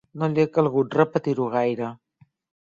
No li ha calgut repetir-ho gaire.